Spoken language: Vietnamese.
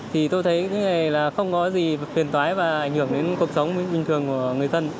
thì tôi thấy cái nghề là không có gì quyền toái và ảnh hưởng đến cuộc sống bình thường của người dân